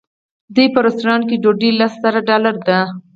د دوی په رسټورانټ کې ډوډۍ لس ډالره ده.